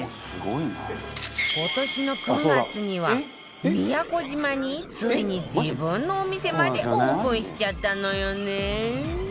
今年の９月には宮古島についに自分のお店までオープンしちゃったのよね